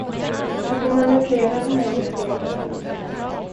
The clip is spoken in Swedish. Du får manövrera den här jätteroboten.